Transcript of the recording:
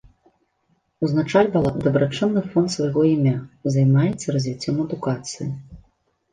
Узначальвала дабрачынны фонд свайго імя, займаецца развіццём адукацыі.